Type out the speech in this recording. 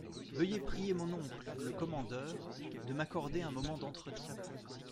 Veuillez prier mon oncle, le commandeur, de m’accorder un moment d’entretien.